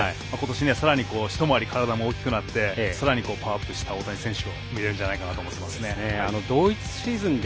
今年、さらに一回り体も大きくなってさらにパワーアップした大谷選手が見れるんじゃないかと思います。